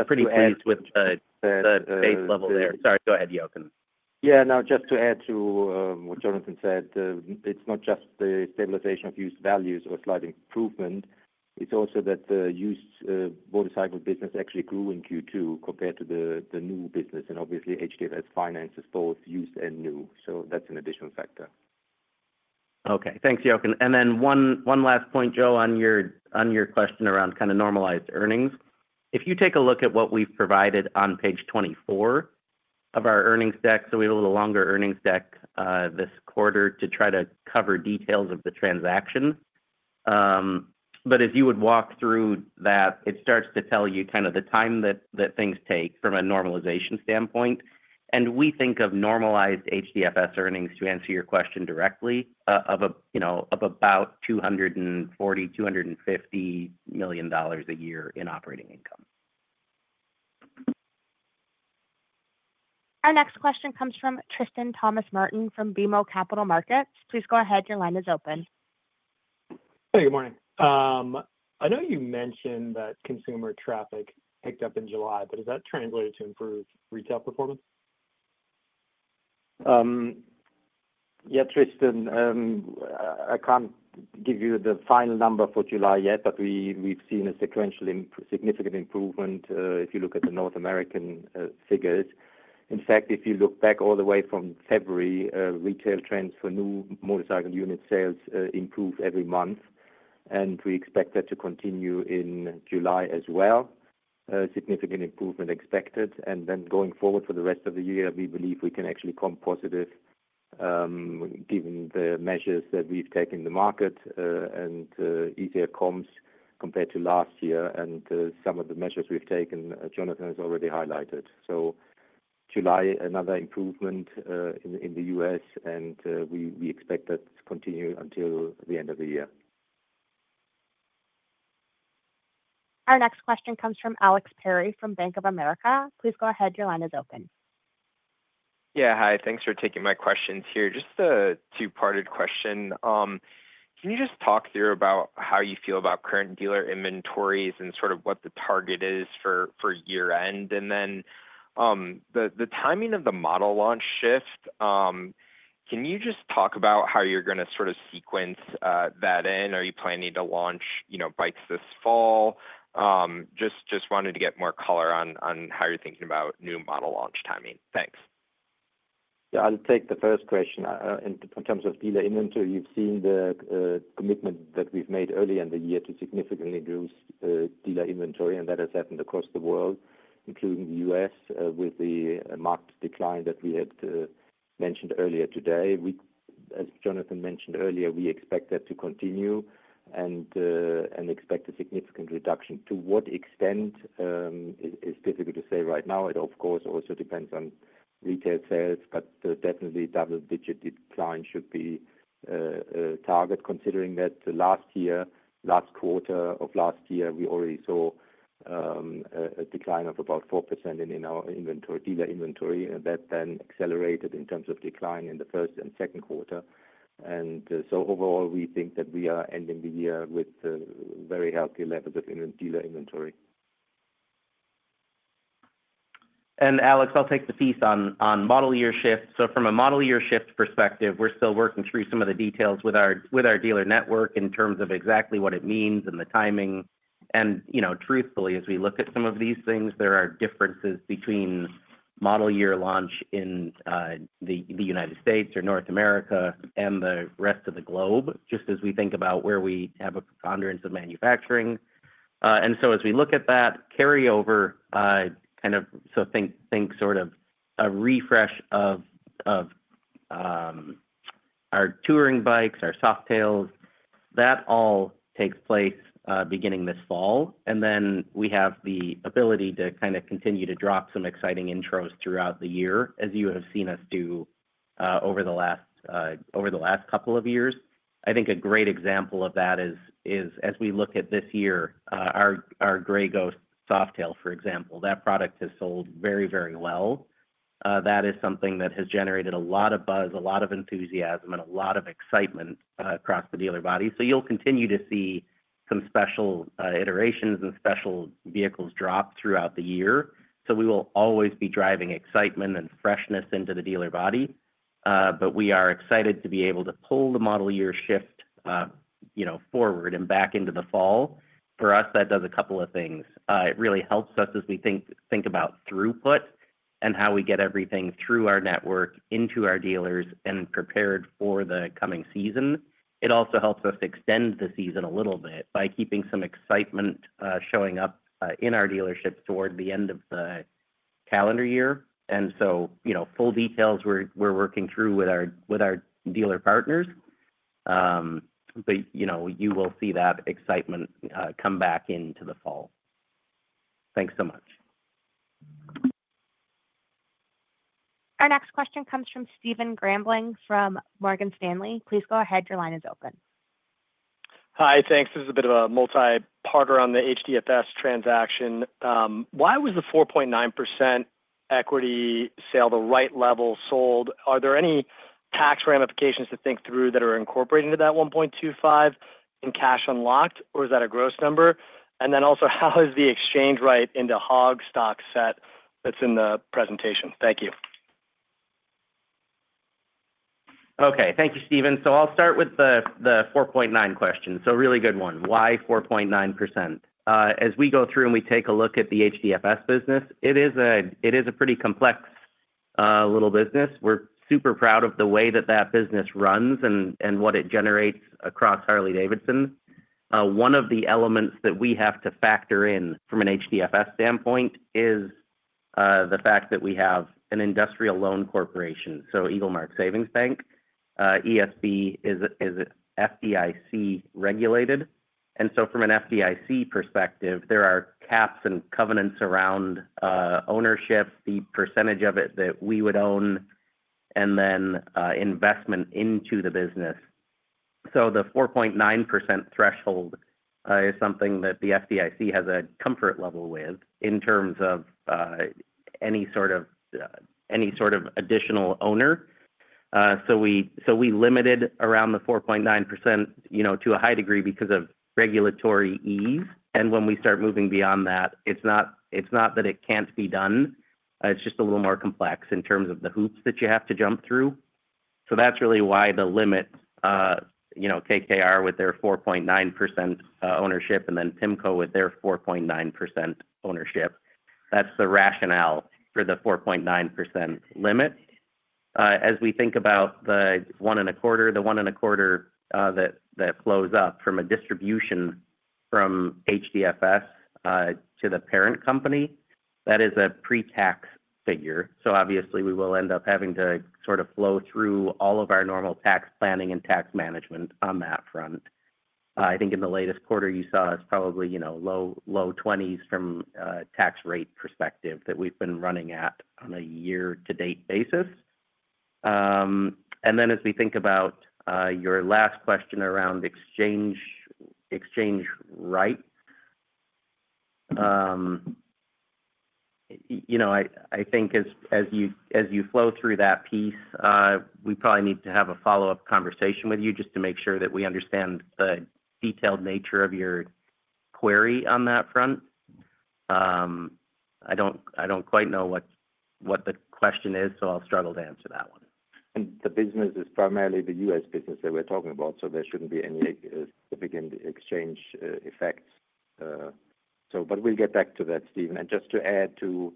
Pretty pleased with the base level there. Sorry, go ahead, Jochen. Yeah. Now, just to add to what Jonathan said, it's not just the stabilization of used values or slight improvement. It's also that the used motorcycle business actually grew in Q2 compared to the new business. Obviously, Harley-Davidson Financial Services finances both used and new, so that's an additional factor. Okay, thanks, Jochen. One last point, Joe. On your question around kind of normalized earnings, if you take a look at what we've provided on page 24 of our earnings deck, we have a little longer earnings deck this quarter to try to cover details of the transaction. As you would walk through that, it starts to tell you the time that things take from a normalization standpoint, and we think of normalized HDFS earnings. To answer your question directly, of about $240 million-$250 million year in operating income. Our next question comes from Tristan Thomas-Martin from BMO Capital Markets. Please go ahead. Your line is open. Hey, good morning. I know you mentioned that consumer traffic picked up in July, but does that translate to improved retail performance? Yes, Tristan, I can't give you the final number for July yet, but we've seen a sequentially significant improvement. If you look at the North American figures, in fact, if you look back all the way from February, retail trends for new motorcycle unit sales improved every month and we expect that to continue in July as well. Significant improvement expected, and then going forward for the rest of the year we believe we can actually comp positive given the measures that we've taken in the market and easier comps compared to last year and some of the measures we've taken Jonathan has already highlighted. July, another improvement in the U.S., and we expect that to continue until the end of the year. Our next question comes from Alex Perry from Bank of America. Please go ahead. Your line is open. Yeah, hi, thanks for taking my questions here. Just a two-parted question. Can you just talk through about how you feel about current dealer inventories and sort of what the target is for year end and then the timing of the model launch shift. Can you just talk about how you're going to sort of sequence that in. Are you planning to launch bikes this fall? Just wanted to get more color on how you're thinking about new model launch timing. Thanks. Yeah, I'll take the first question. In terms of dealer inventory, you've seen the commitment that we've made earlier in the year to significantly reduce dealer inventory, and that has happened across the world, including the U.S. with the marked decline that we had mentioned earlier today. As Jonathan mentioned earlier, we expect that to continue and expect a significant reduction. To what extent is difficult to say right now. It of course also depends on retail sales, but definitely double digit decline should be target considering that last year, last quarter of last year we already saw a decline of about 4% in our inventory, dealer inventory, and that then accelerated in terms of decline in the first and second quarter. Overall, we think that we are ending the year with very healthy levels of dealer inventory. Alex, I'll take the piece on model year shift. From a model year shift perspective, we're still working through some of the details with our dealer network in terms of exactly what it means and the timing. Truthfully, as we look at some of these things, there are differences between model year launch in the U.S. or North America and the rest of the globe, just as we think about where we have a preponderance of manufacturing. As we look at that carryover, think sort of a refresh of our Touring Bikes, our Softail lineup, that all takes place beginning this fall. We have the ability to kind of continue to drop some exciting intros throughout the year as you have seen us do over the last couple of years. I think a great example of that is as we look at this year, our Gray Ghost Softail, for example, that product has sold very, very well. That is something that has generated a lot of buzz, a lot of enthusiasm, and a lot of excitement across the dealer body. You will continue to see some special iterations and special vehicles drop throughout the year. We will always be driving excitement and freshness into the dealer body. We are excited to be able to pull the model year shift forward and back into the fall. For us, that does a couple of things. It really helps us as we think about throughput and how we get everything through our network into our dealers and prepared for the coming season. It also helps us extend the season a little bit by keeping some excitement showing up in our dealerships toward the end of the calendar year. And so, full details we're working through with our dealer partners. You will see that excitement come back into the fall. Thanks so much. Our next question comes from Stephen Grambling from Morgan Stanley. Please go ahead. Your line is open. Hi, thanks. This is a bit of a multi-parter on the HDFS transaction. Why was the 4.9% equity sale the right level sold? Are there any tax ramifications to think through that are incorporated into that $1.25 billion in cash unlocked, or is that a gross number? Also, how is the exchange rate into HOG stock set that's in the presentation? Thank you. Thank you, Stephen. I'll start with the 4.9% question. Really good one, why 4.9%? As we go through and we take a look at the HDFS business, it is a pretty complex little business. We're super proud of the way that business runs and what it generates across Harley-Davidson. One of the elements that we have to factor in from an HDFS standpoint is the fact that we have an industrial loan corporation. Eaglemark Savings Bank, ESB, is FDIC regulated. From an FDIC perspective, there are caps and covenants around ownership, the percentage of it that we would own, and then investment into the business. The 4.9% threshold is something that the FDIC has a comfort level with in terms of any sort of additional owner. We limited around the 4.9% to a high degree because of regulatory ease. When we start moving beyond that, it's not that it can't be done, it's just a little more complex in terms of the hoops that you have to jump through. That's really why the limit exists. KKR with their 4.9% ownership and then PIMCO with their 4.9% ownership, that's the rationale for the 4.9% limit. As we think about the one and a quarter, the one and a quarter that flows up from a distribution from HDFS to the parent company, that is a pre-tax figure. Obviously, we will end up having to sort of flow through all of our normal tax planning and tax management on that front. I think in the latest quarter you saw us probably low 20s from a tax rate perspective that we've been running at on a year-to-date basis. As we think about your last question around exchange, exchange rate. You know, I think as you flow through that piece, we probably need to have a follow up conversation with you just to make sure that we understand the detailed nature of your query on that front. I don't quite know what the question is, so I'll struggle to answer that one. The business is primarily the U.S. business that we're talking about, so there shouldn't be any big exchange effects. We'll get back to that, Stephen. Just to add to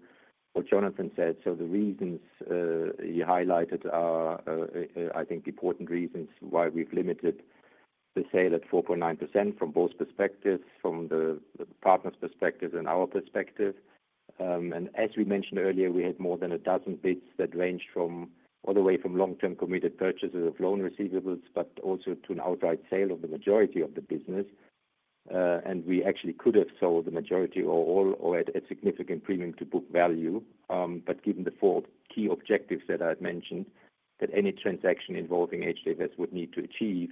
what Jonathan said, the reasons he highlighted are, I think, important reasons why we've limited the sale at 4.9% from both perspectives, from the partners' perspectives and our perspective. As we mentioned earlier, we had more than a dozen bids that ranged all the way from long-term committed purchases of loan receivables to an outright sale of the majority of the business. We actually could have sold the majority or all at a significant premium to book value. Given the four key objectives that I had mentioned that any transaction involving HDFS would need to achieve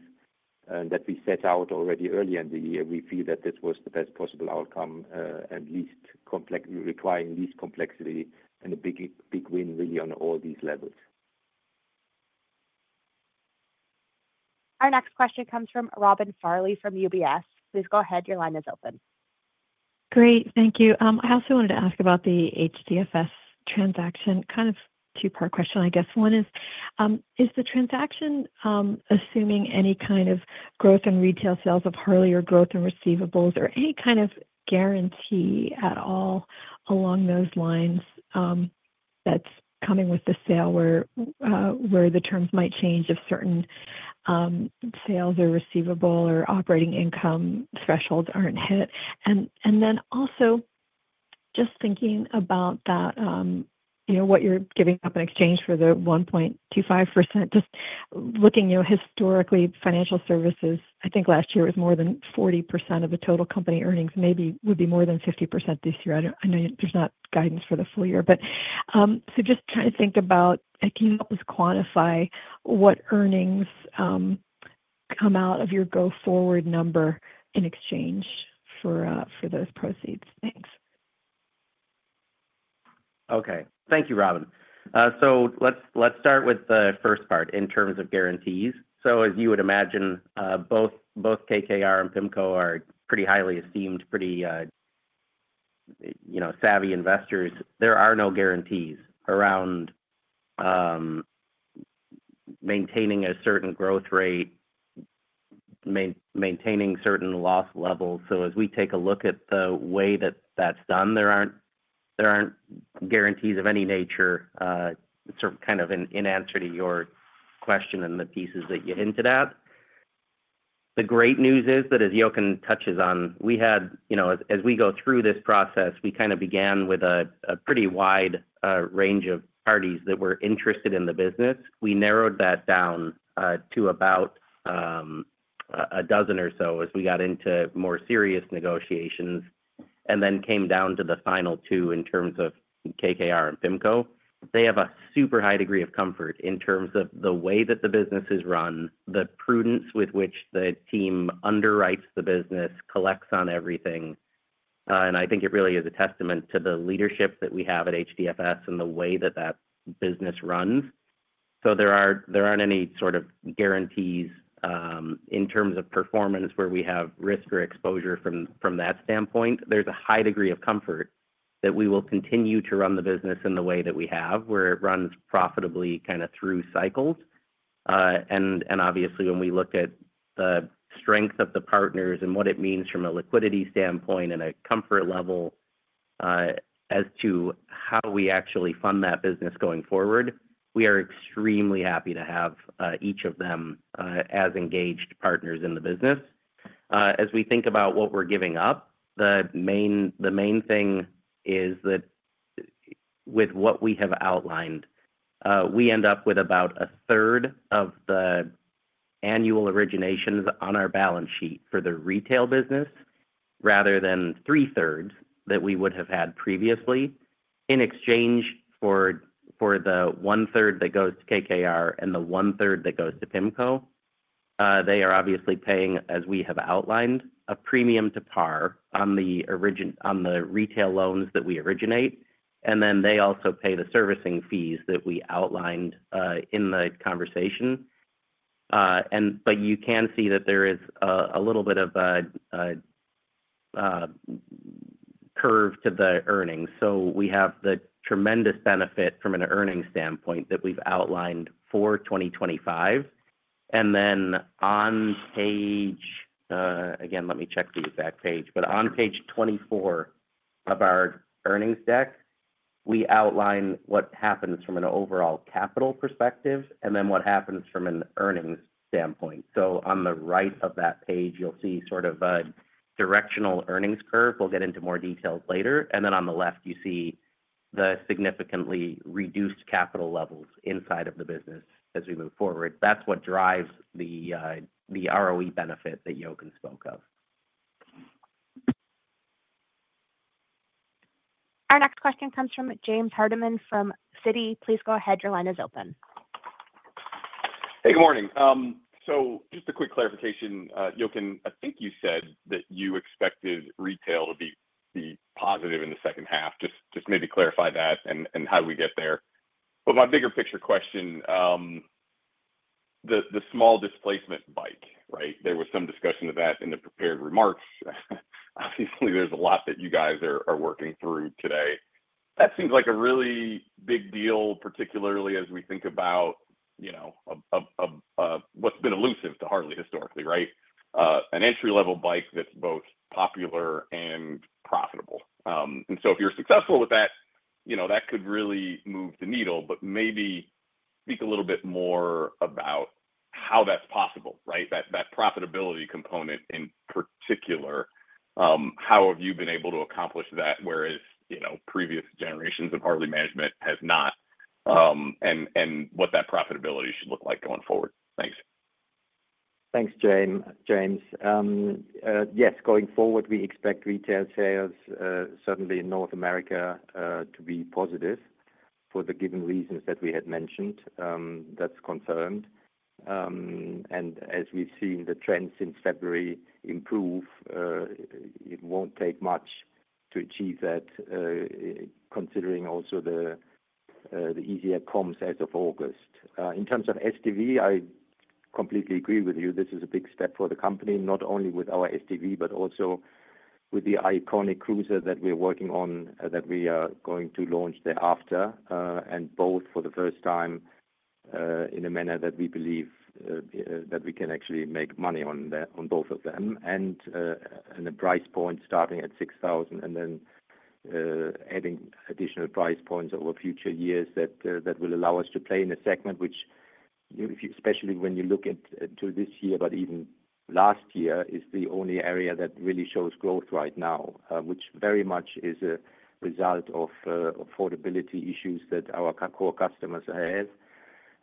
and that we set out already earlier in the year, we feel that this was the best possible outcome and least complex, requiring least complexity and a big win really on all these levels. Our next question comes from Robin Farley from UBS. Please go ahead. Your line is open. Great, thank you. I also wanted to ask about the HDFS transaction. Kind of two part question, I guess. One is, is the transaction assuming any kind of growth in retail sales of Harley or growth in receivables or any kind of guarantee at all along those lines that's coming with the sale where the terms might change if certain sales or receivable or operating income thresholds aren't hit. Also, just thinking about that, you know, what you're giving up in exchange for the 1.25%, just looking, you know, historically financial services, I think last year was more than 40% of the total company earnings, maybe would be more than 50% this year. I know there's not guidance for the full year, but just trying to think about, can you help us quantify what earnings come out of your go forward number in exchange for those proceeds? Thanks. Okay, thank you, Robin. Let's start with the first part in terms of guarantees. As you would imagine, both KKR and PIMCO are pretty highly esteemed, pretty savvy investors. There are no guarantees around maintaining a certain growth rate or maintaining certain loss levels. As we take a look at the way that that's done, there aren't guarantees of any nature. In answer to your question and the pieces that you hinted at, the great news is that as Jochen touches on, as we go through this process, we began with a pretty wide range of parties that were interested in the business. We narrowed that down to about a dozen or so as we got into more serious negotiations and then came down to the final two. In terms of KKR and PIMCO, they have a super high degree of comfort in terms of the way that the business is run, the prudence with which the team underwrites the business, collects on everything. I think it really is a testament to the leadership that we have at HDFS and the way that that business runs. There aren't any guarantees in terms of performance where we have risk or exposure. From that standpoint, there's a high degree of comfort that we will continue to run the business in the way that we have, where it runs profitably through cycles. Obviously, when we look at the strength of the partners and what it means from a liquidity standpoint and a comfort level as to how we actually fund that business going forward, we are extremely happy to have each of them as engaged partners in the business. As we think about what we're giving up, the main thing is that with what we have outlined, we end up with about a third of the annual originations on our balance sheet for the retail business, rather than three thirds that we would have had previously in exchange for the one third that goes to KKR and the one third that goes to PIMCO. They are obviously paying, as we have outlined, a premium to par on the retail loans that we originate and then they also pay the servicing fees that we outlined in the conversation. You can see that there is a little bit of a curve to the earnings. We have the tremendous benefit from an earnings standpoint that we've outlined for 2025. On page 24 of our earnings deck, we outline what happens from an overall capital perspective and then what happens from an earnings standpoint. On the right of that page you'll see sort of a directional earnings curve. We'll get into more details later. On the left you see the significantly reduced capital levels inside of the business as we move forward. That's what drives the ROE benefit that Jochen spoke of. Our next question comes from James Hardiman from Citi. Please go ahead. Your line is open. Hey, good morning. Just a quick clarification. Jochen, I think you said that you expected retail to be positive in the second half. Could you clarify that and how do we get there? My bigger picture question is about the small displacement bike. There was some discussion of that in the prepared remarks. Obviously, there's a lot that you guys are working through today that seems like a really big deal, particularly as we think about what's been elusive to Harley historically, right, an entry level bike that's both popular and profitable. If you're successful with that, that could really move the needle. Maybe speak a little bit more about how that's possible. Right? That profitability component in particular, how have you been able to accomplish that whereas previous generations of Harley-Davidson management have not, and what that profitability should look like going forward. Thanks. Thanks, James. Yes. Going forward we expect retail sales certainly in North America to be positive for the given reasons that we had mentioned. That's confirmed. As we've seen the trends since February improve, it won't take much to achieve that. Considering also the easier comps as of August in terms of small displacement vehicles, I completely agree with you. This is a big step for the company, not only with our small displacement vehicle, but also with the iconic cruiser that we're working on that we are going to launch thereafter. Both for the first time in a manner that we believe that we can actually make money on both of them and in a price point starting at $6,000 and then adding additional price points over future years that will allow us to play in a segment which, especially when you look into this year, but even last year, is the only area that really shows growth right now, which very much is a result of affordability issues that our core customers have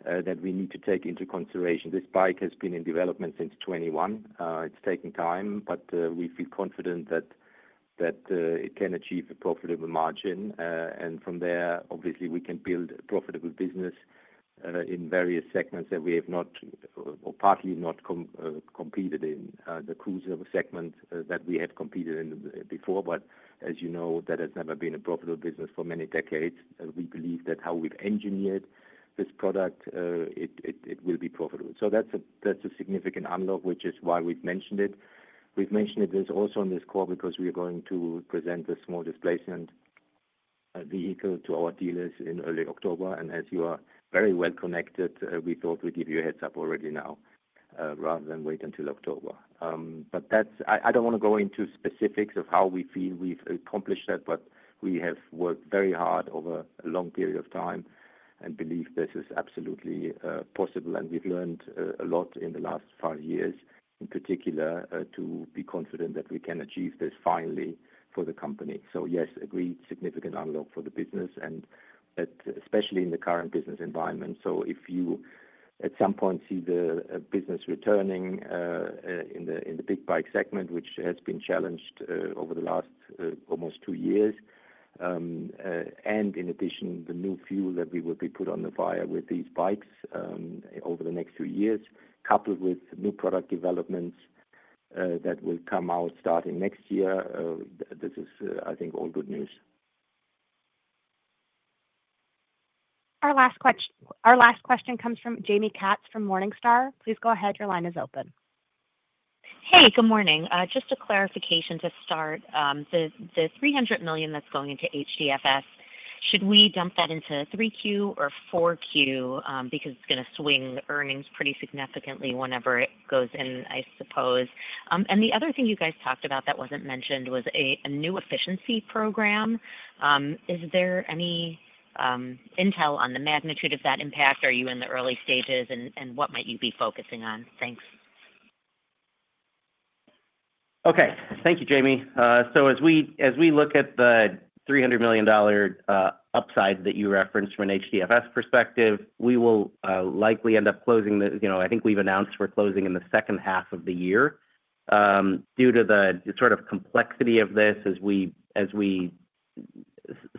that we need to take into consideration. This bike has been in development since 2021. It's taken time, but we feel confident that it can achieve a profitable margin. From there, obviously, we can build profitable business in various segments that we have not or partly not competed in the cruiser segment that we had competed in before. As you know, that has never been a profitable business for many decades. We believe that how we've engineered this product, it will be profitable. That's a significant unlock, which is why we've mentioned it. We've mentioned it also on this call because we are going to present the small displacement vehicle to our dealers in early October. As you are very well connected, we thought we'd give you a heads up already now rather than wait until October. I don't want to go into specifics of how we feel we've accomplished that, but we have worked very hard over a long period of time and believe this is absolutely possible. We've learned a lot in the last five years in particular to be confident that we can achieve this finally for the company. Yes, agreed. Significant envelope for the business and especially in the current business environment. If you at some point see the business returning in the big bike segment, which has been challenged over the last almost two years, and in addition, the new fuel that we will be put on the fire with these bikes over the next few years, coupled with new product developments that will come out starting next year, this is, I think, all good news. Our last question comes from Jaime Katz from Morningstar. Please go ahead. Your line is open. Hey, good morning. Just a clarification. To start, the $300 million that's going into HDFS, should we dump that into 3Q or 4Q? Because it's going to swing earnings pretty significantly whenever it goes in, I suppose. The other thing you guys talked about that wasn't mentioned was a new efficiency program. Is there any intel on the magnitude of that impact? Are you in the early stages and what might you be focusing on? Thanks. Okay, thank you, Jaime. As we look at the $300 million upside that you referenced from an HDFS perspective, we will likely end up closing the. I think we've announced we're closing in the second half of the year due to the sort of complexity of this as we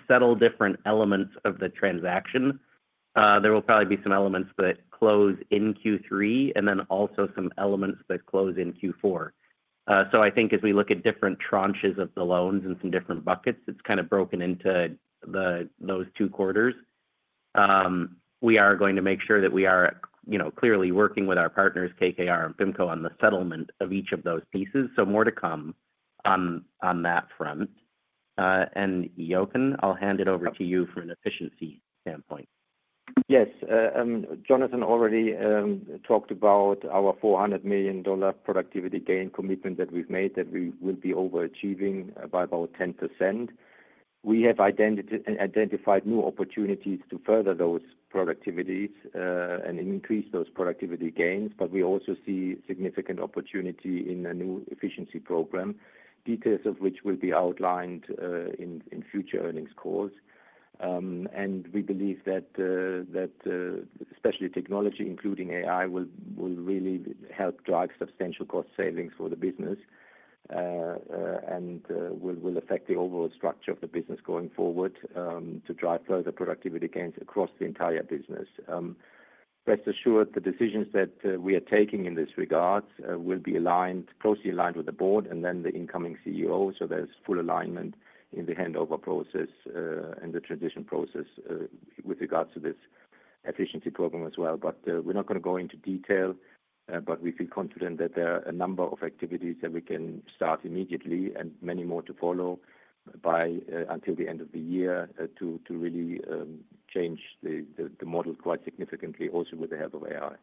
settle different elements of the transaction. There will probably be some elements that close in Q3 and also some elements that close in Q4. As we look at different tranches of the loans and some different buckets, it's kind of broken into those two quarters. We are going to make sure that we are clearly working with our partners, KKR and PIMCO, on the settlement of each of those pieces. More to come on that front. Jochen, I'll hand it over to you from an efficiency standpoint. Yes, Jonathan already talked about our $400 million productivity gain commitment that we've made that we will be overachieving by about 10%. We have identified new opportunities to further those productivities and increase those productivity gains. We also see significant opportunity in a new efficiency program, details of which will be outlook find in future earnings calls. We believe that especially technology, including AI, will really help drive substantial cost savings for the business and will affect the overall structure of the business going forward to drive further productivity gains across the entire business. Rest assured, the decisions that we are taking in this regard will be aligned, closely aligned with the board and then the incoming CEO. There's full alignment in the handover process and the transition process with regards to this efficiency program as well. We're not going to go into detail, but we feel confident that there are a number of activities that we can start immediately and many more to follow by until the end of the year to really change the model quite significantly, also with the help of AI.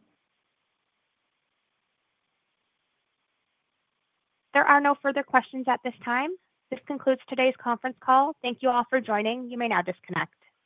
There are no further questions at this time. This concludes today's conference call. Thank you all for joining. You may now disconnect.